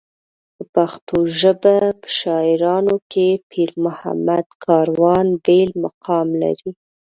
د پښتو ژبې په شاعرانو کې پېرمحمد کاروان بېل مقام لري.